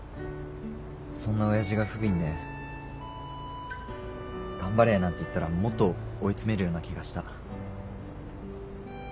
そんな親父が不憫で「頑張れ」なんて言ったらもっと追い詰めるような気がした。